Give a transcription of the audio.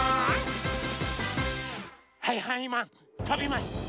はいはいマンとびます！